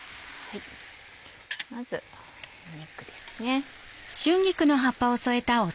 まず肉ですね。